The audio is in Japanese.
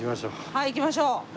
はい行きましょう。